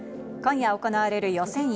今夜行われる予選